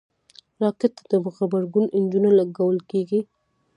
راکټ ته د غبرګون انجنونه لګول کېږي